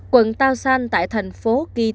quận tàu sanh tại thành phố kỳ tàu